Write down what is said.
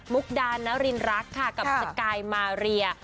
มุกดานนารินรักค่ะกับสไกลมาเรีย